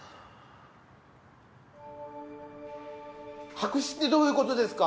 白紙ってどういう事ですか？